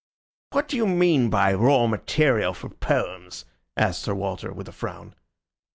"What do you mean by raw material for poems?" asked Sir Walter, with a frown.